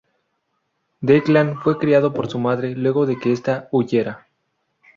Declan, fue criado por su madre luego de que esta huyera.